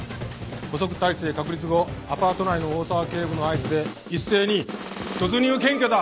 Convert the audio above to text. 捕捉態勢確立後アパート内の大澤警部の合図で一斉に突入検挙だ！